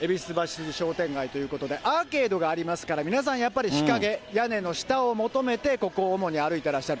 すじ商店街ということで、アーケードがありますから、皆さんやっぱり日陰、屋根の下を求めて、ここを主に歩いてらっしゃる。